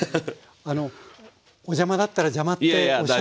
あのお邪魔だったら邪魔っておっしゃって頂ければ。